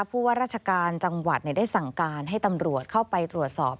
ผู้ว่าราชการจังหวัดได้สั่งการให้ตำรวจเข้าไปตรวจสอบ